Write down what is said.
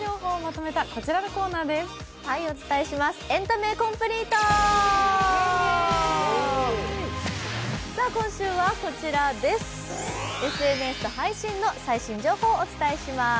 ＳＮＳと配信の最新情報をお伝えします。